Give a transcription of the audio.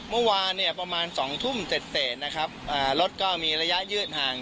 เมื่อวานเนี่ยประมาณสองทุ่มเสร็จนะครับรถก็มีระยะยืดห่าง